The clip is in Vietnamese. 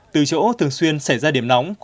từ chỗ thường xuyên xảy ra điểm nóng